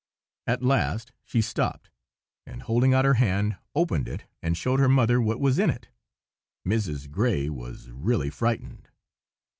At last she stopped, and holding out her hand, opened it and showed her mother what was in it. Mrs. Gray was really frightened.